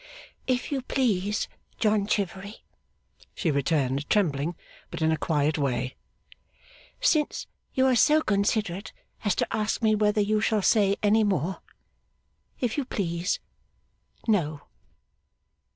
'If you please, John Chivery,' she returned, trembling, but in a quiet way, 'since you are so considerate as to ask me whether you shall say any more if you please, no.